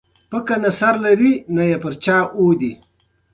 مينه زړه خوشحالوي